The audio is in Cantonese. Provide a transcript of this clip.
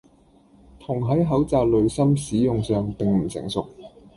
銅喺口罩濾芯使用上並唔成熟